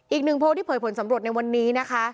อีกหนึ่งโพสต์ที่เผยผลสำรวจในวันนี้นะคะ